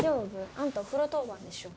あんた、お風呂当番でしょ。